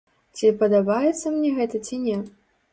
Ці падабаецца мне гэта ці не?